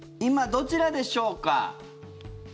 今、どちらでしょうか？